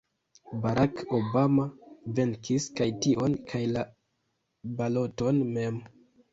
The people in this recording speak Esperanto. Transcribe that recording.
Barack Obama venkis kaj tion kaj la baloton mem.